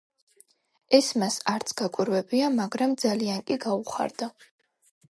ეს მას არც გაკვირვებია, მაგრამ ძალიან კი გაუხარდა.